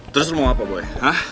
terus lo mau apa boy